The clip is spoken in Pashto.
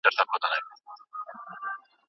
صنعتي کاروبار څنګه د بازار سیالۍ ته ځواب ورکوي؟